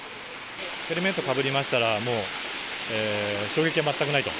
ヘルメットかぶりましたら、もう衝撃が全くないと。